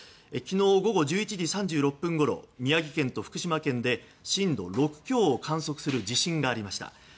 昨日午後１１時３６分ごろ宮城県と福島県で震度６強を観測する地震がありました。